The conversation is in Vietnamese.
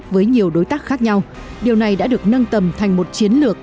với nhiều đối tác khác nhau điều này đã được nâng tầm thành một chiến lược